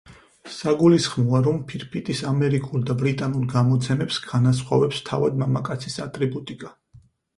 საგულისხმოა, რომ ფირფიტის ამერიკულ და ბრიტანულ გამოცემებს განასხვავებს თავად მამაკაცის ატრიბუტიკა.